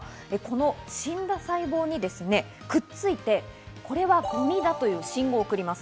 死んだ細胞にくっついて、これはゴミだという信号を送ります。